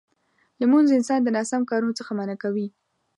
لمونځ انسان د ناسم کارونو څخه منع کوي.